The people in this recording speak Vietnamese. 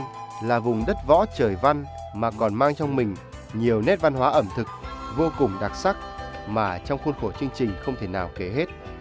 rượu bầu đá là vùng đất võ trời văn mà còn mang trong mình nhiều nét văn hóa ẩm thực vô cùng đặc sắc mà trong khuôn khổ chương trình không thể nào kể hết